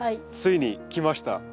ついにきました。